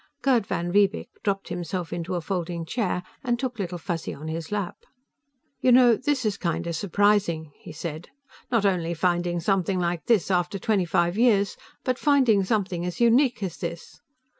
Gerd van Riebeek dropped himself into a folding chair and took Little Fuzzy on his lap. "You know, this is kind of surprising," he said. "Not only finding something like this, after twenty five years, but finding something as unique as this.